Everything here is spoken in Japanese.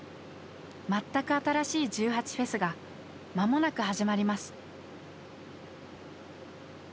全く新しい１８祭が間もなく始まります。